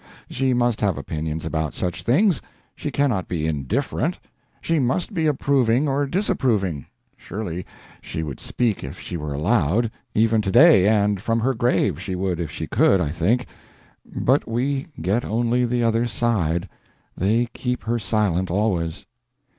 She must have opinions about such things, she cannot be indifferent, she must be approving or disapproving, surely she would speak if she were allowed even to day and from her grave she would, if she could, I think but we get only the other side, they keep her silent always.